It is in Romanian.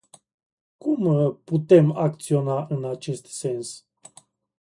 Cum putem acționa în acest sens?